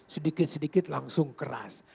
sedikit sedikit langsung keras